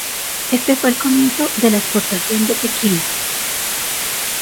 Este fue el comienzo de la exportación de tequila.